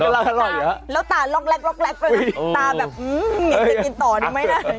แล้วตาล็อกแรกไปนะตาแบบอยากจะกินต่อดูมั้ยนะ